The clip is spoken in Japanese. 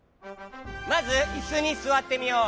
まずいすにすわってみよう。